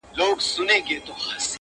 د حالاتو سترگي سرې دې له خماره!!